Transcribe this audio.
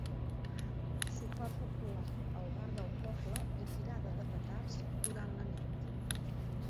Sopar popular al bar del poble i tirada de petards durant la nit.